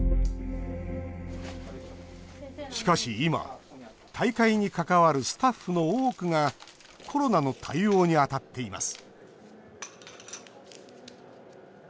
しかし今、大会に関わるスタッフの多くがコロナの対応に当たっています